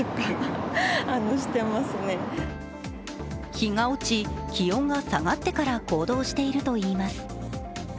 日が落ち気温が下がってから行動しているといいます。